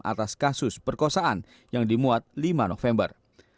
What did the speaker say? atas kasus perkosaan yang dimuat lima november